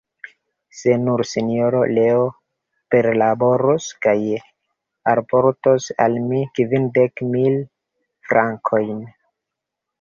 Se nur, Sinjoro Leo perlaboros kaj alportos al mi kvindek mil frankojn.